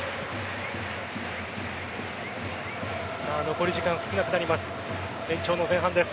残り時間少なくなります。